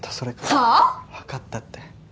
はあ⁉分かったって。